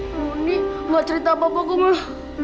roni gak cerita apa apaku mah